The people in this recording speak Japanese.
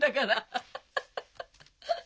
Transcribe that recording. アハハハ。